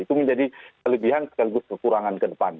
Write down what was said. itu menjadi kelebihan sekaligus kekurangan ke depan